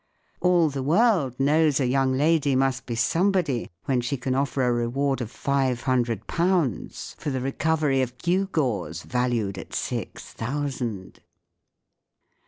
All the world knows a young lady must be somebody when she can offer a reward of five hundred pounds for the recovery of gew¬ gaws valued at six thousand.